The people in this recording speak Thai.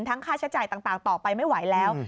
ค่าใช้จ่ายต่างต่อไปไม่ไหวแล้ว